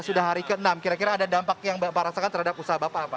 sudah hari ke enam kira kira ada dampak yang bapak rasakan terhadap usaha bapak apa